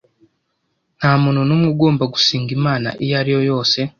nta muntu n’umwe ugomba gusenga imana iyo ari yo yose